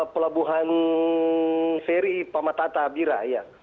pelabuhan seri pamatata bira iya